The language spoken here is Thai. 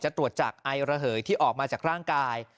ตรวจจากไอระเหยที่ออกมาจากร่างกาย